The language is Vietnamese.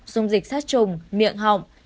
dùng dịch sát trùng miệng họng